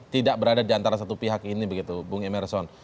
tidak berada di antara satu pihak ini begitu bung emerson